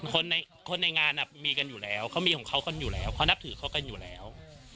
คนในคนในงานมีกันอยู่แล้วเขามีของเขากันอยู่แล้วเขานับถือเขากันอยู่แล้ว